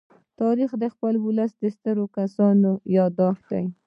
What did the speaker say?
تاریخ د خپل ولس د سترو کسانو يادښت دی.